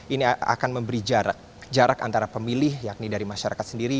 ini akan memberi jarak antara pemilih yakni dari masyarakat sendiri